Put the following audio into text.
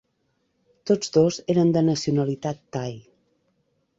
Tots dos eren de nacionalitat tai.